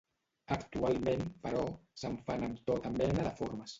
Actualment, però, se'n fan amb tota mena de formes.